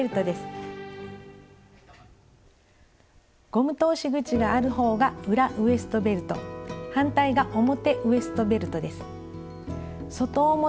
ゴム通し口がある方が裏ウエストベルト反対が表ウエストベルトです。